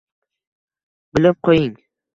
Bilib qo’ying